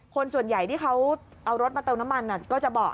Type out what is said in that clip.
คนส่วนใหญ่ที่เขาเอารถมาเติมน้ำมันก็จะเบาะ